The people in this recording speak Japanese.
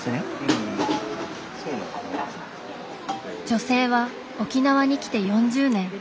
女性は沖縄に来て４０年。